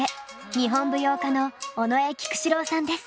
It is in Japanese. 日本舞踊家の尾上菊紫郎さんです。